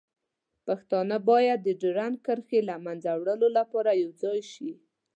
پښتانه باید د ډیورنډ کرښې له منځه وړلو لپاره یوځای شي.